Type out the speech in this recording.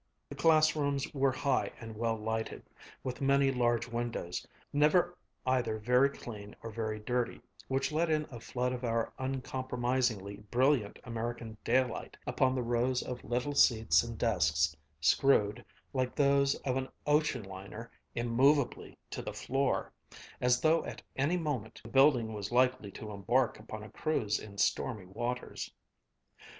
The classrooms were high and well lighted, with many large windows, never either very clean or very dirty, which let in a flood of our uncompromisingly brilliant American daylight upon the rows of little seats and desks screwed, like those of an ocean liner, immovably to the floor, as though at any moment the building was likely to embark upon a cruise in stormy waters.